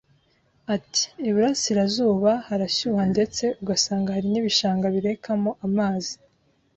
Ati “Iburasirazuha harashyuha ndetse ugasanga hari n’ibishanga birekamo amazi